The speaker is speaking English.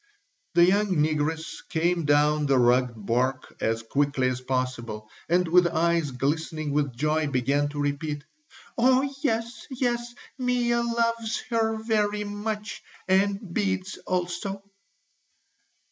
The young negress came down the rugged bark as quickly as possible, and with eyes glistening with joy began to repeat: "Oh! Yes! Yes! Mea loves her very much and beads also."